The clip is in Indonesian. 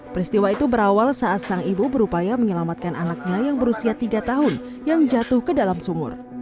peristiwa itu berawal saat sang ibu berupaya menyelamatkan anaknya yang berusia tiga tahun yang jatuh ke dalam sumur